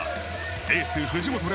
エース・藤本怜